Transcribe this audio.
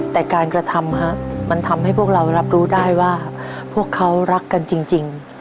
แต่การกระทำมันทำให้พวกเรารับรู้ได้ว่าพวกเขารักกันจริง